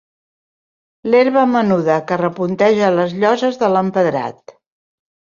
L'herba menuda que repunteja les lloses de l'empedrat.